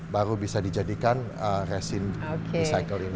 baru bisa dijadikan resin recycling